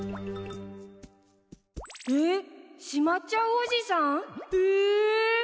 えっ？しまっちゃうおじさん？え！？